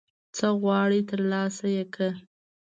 څه غواړي ترلاسه یې کړه